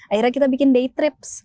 akhirnya kita bikin day trips